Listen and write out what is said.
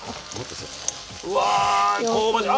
うわあ香ばしい。